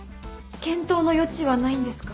検討の余地はないんですか？